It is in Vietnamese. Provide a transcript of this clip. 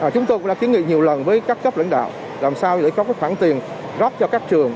chúng tôi cũng đã kiến nghị nhiều lần với các cấp lãnh đạo làm sao để có khoản tiền rót cho các trường